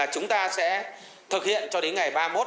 chúng ta sẽ thực hiện cho đến ngày ba mươi một